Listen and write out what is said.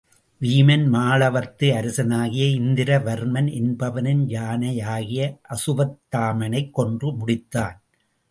வீமன் மாளவத்து அரசனாகிய இந்திர வர்மன் என்பவனின் யானையாகிய அசுவத்தாமனைக் கொன்று முடித்தான்.